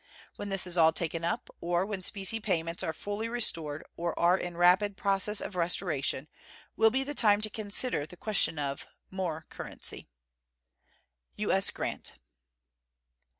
When this is all taken up, or when specie payments are fully restored or are in rapid process of restoration, will be the time to consider the question of "more currency." U.S. GRANT.